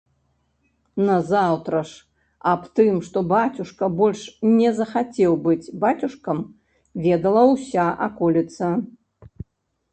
Назаўтра ж аб тым, што бацюшка больш не захацеў быць бацюшкам, ведала ўся аколіца.